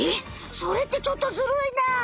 それってちょっとズルいなあ！